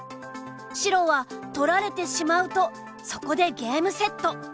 白は取られてしまうとそこでゲームセット。